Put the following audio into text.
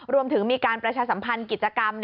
รวมถึงมีการประชาสัมพันธ์กิจกรรม